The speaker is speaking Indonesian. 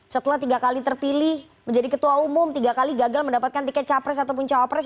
setelah tiga kali terpilih menjadi ketua umum tiga kali gagal mendapatkan tiket capres ataupun cawapres